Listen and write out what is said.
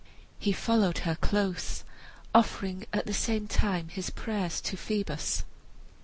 He followed her close, offering at the same time his prayers to Phoebus.